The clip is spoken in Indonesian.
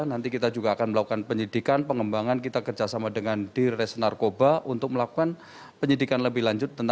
nanti kita juga akan melakukan penyidikan pengembangan kita kerjasama dengan di res narkoba untuk melakukan penyidikan lebih lanjut